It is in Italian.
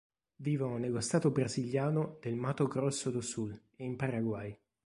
Vivono nello stato brasiliano del Mato Grosso do Sul e in Paraguay.